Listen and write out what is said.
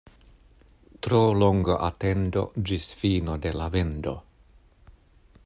Tro longa atendo ĝis fino de la vendo.